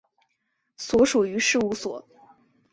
所属于事务所。